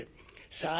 さあ